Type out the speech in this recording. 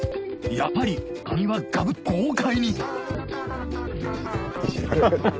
やっぱりカニはガブリと豪快に！